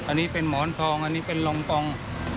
อันนี้เป็นหมอนทองอันนี้เป็นรองปอง